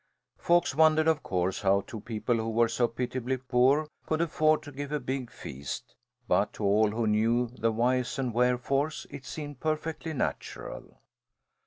Folks wondered, of course, how two people who were so pitiably poor could afford to give a big feast, but to all who knew the whys and wherefores it seemed perfectly natural.